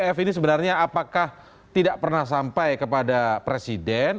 prof ini sebenarnya apakah tidak pernah sampai kepada presiden